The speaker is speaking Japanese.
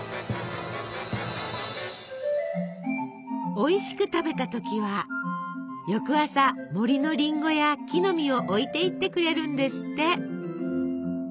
おいしく食べた時は翌朝森のりんごや木ノ実を置いていってくれるんですって！